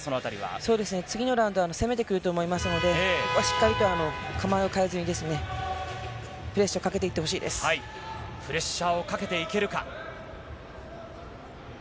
次のラウンドは攻めてくると思いますので、ここはしっかりと構えを変えずにプレッシャーをかけていってほしプレッシャーをかけていけるか。